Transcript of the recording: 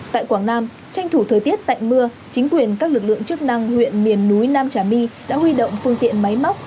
tại quảng nam tranh thủ thời tiết tạnh mưa chính quyền các lực lượng chức năng huyện miền núi nam trà my đã huy động phương tiện máy móc